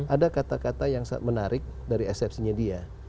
ada kata kata yang menarik dari eksepsinya dia